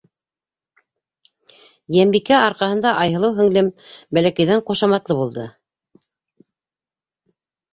Йәнбикә арҡаһында Айһылыу һеңлем бәләкәйҙән ҡушаматлы булды.